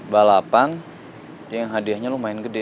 balapan yang hadiahnya lumayan gede